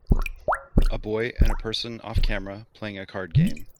A boy and a person offcamera playing a card game.